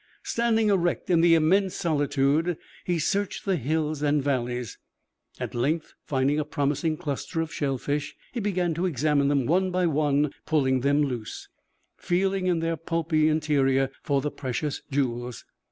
Standing erect in the immense solitude, he searched the hills and valleys. At length, finding a promising cluster of shellfish, he began to examine them one by one, pulling them loose, feeling in their pulpy interior for the precious jewels.